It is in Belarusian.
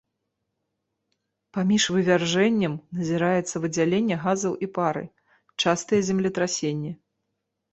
Паміж вывяржэнням назіраецца выдзяленне газаў і пары, частыя землетрасенні.